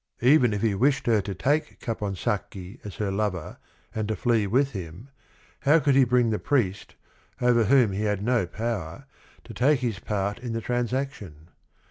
Even if he wished her to take Caponsacchi as her lover and to flee with him, how could he bring the priest, over whom he had no power, to take his part in the transaction?